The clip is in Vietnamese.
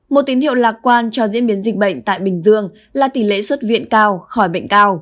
một tín hiệu lạc quan cho diễn biến dịch bệnh tại bình dương là tỷ lệ xuất viện cao khỏi bệnh cao